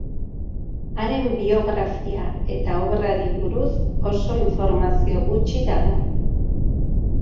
Haren biografia eta obrari buruz oso informazio gutxi dago.